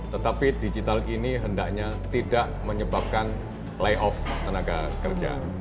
tetapi digital ini hendaknya tidak menyebabkan layoff tenaga kerja